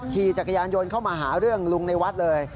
ขี่จักรยานยนต์เข้ามาหาเรื่องลุงในวัดเลย